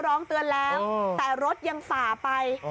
ร้องเตือนแล้วแต่รถยังฝ่าไป